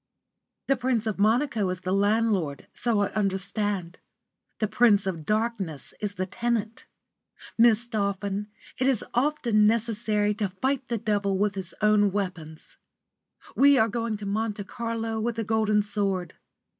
The Prince of Monaco is the landlord, so I understand; the Prince of Darkness is the tenant. Miss Dolphin, it is often necessary to fight the Devil with his own weapons. We are going to Monte Carlo with a golden sword.